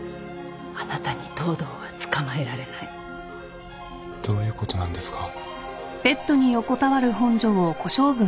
あなたに藤堂は捕まえられないどういうことなんですか？